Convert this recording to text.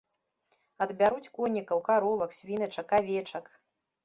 Адбяруць конікаў, каровак, свіначак, авечак.